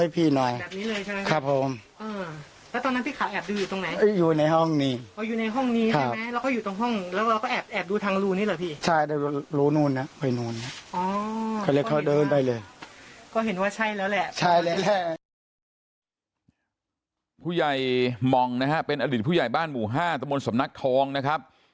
ผู้ใหญ่มองนะฮะเป็นอดีตผู้ใหญ่บ้านหมู่๕ตะมนต์สำนักทองนะครับ